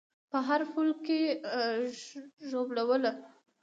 په هر پل کې ژوبلوله